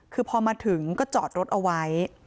คือพอมาถึงก็จอดรถเอาไว้